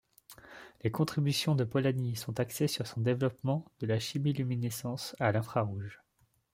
Les contributions de Polanyi sont axées sur son développement de la chimiluminescence à l'infrarouge.